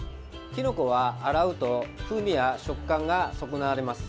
きのこは洗うと風味や食感がそこなわれます。